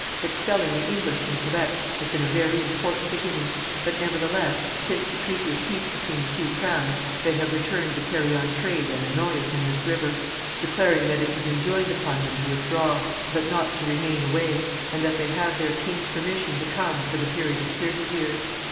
"Expelling the English from Quebec has been a very important beginning, but, nevertheless, since the treaty of peace between the two crowns, they have returned to carry on trade and annoy us in this river, declaring that it was enjoined upon them to withdraw, but not to remain away, and that they have their king's permission to come for the period of thirty years.